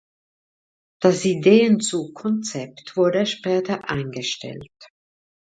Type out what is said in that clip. Das Ideenzug-Konzept wurde später eingestellt.